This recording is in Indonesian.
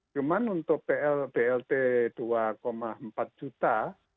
cuma untuk blt dua empat juta